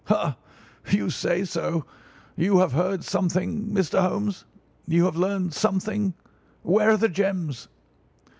"Ha! You say so! You have heard something, Mr. Holmes; you have learned something! Where are the gems?"